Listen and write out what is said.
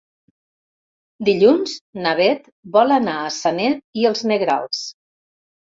Dilluns na Beth vol anar a Sanet i els Negrals.